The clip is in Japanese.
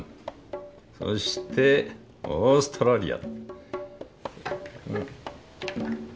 そしてオーストラリア。